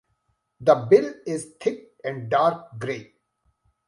The bill is thick and dark grey.